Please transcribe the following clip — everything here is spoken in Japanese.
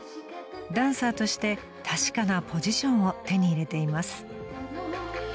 ［ダンサーとして確かなポジションを手に入れています］